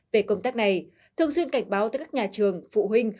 về công tác này thường xuyên cảnh báo tới các nhà trường phụ huynh